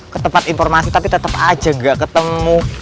ketempat informasi tapi tetep aja gak ketemu